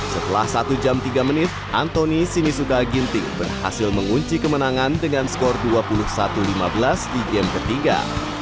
setelah satu jam tiga menit anthony sinisuda ginting berhasil mengunci kemenangan dengan skor dua puluh satu lima belas di game ketiga